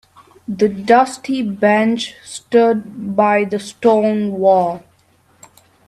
The dusty bench stood by the stone wall.